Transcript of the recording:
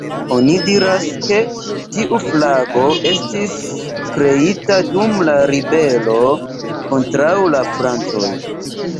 Oni diras, ke tiu flago estis kreita dum la ribelo kontraŭ la francoj.